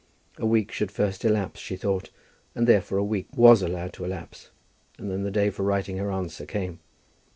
A week should first elapse, she thought, and therefore a week was allowed to elapse, and then the day for writing her answer came.